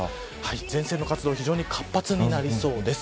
前線の活動が非常に活発なりそうです。